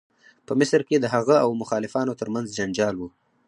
په مصر کې د هغه او مخالفانو تر منځ جنجال و.